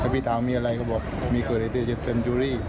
พี่ถามมีอะไรก็บอกมีเกิดไอ้เจ้าเจ็ดเซ็นจุรี